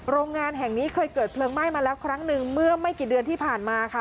โรงงานแห่งนี้เคยเกิดเพลิงไหม้มาแล้วครั้งหนึ่งเมื่อไม่กี่เดือนที่ผ่านมาค่ะ